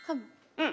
うん。